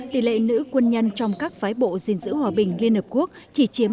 tỷ lệ nữ quân nhân trong các phái bộ gìn giữ hòa bình liên hợp quốc chỉ chiếm